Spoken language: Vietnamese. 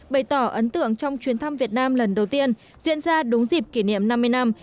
bày tỏ ấn tượng trong chuyến thăm việt nam lần đầu tiên diễn ra đúng dịp kỷ niệm năm mươi năm